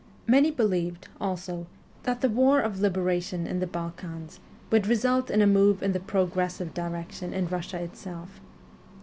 Many believed, also, that the war of liberation in the Balkans would result in a move in the progressive direction in Eussia itself.